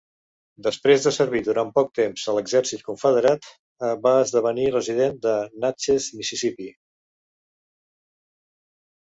Després de servir durant poc temps a l'exèrcit confederat, va esdevenir resident de Natchez, Mississippi.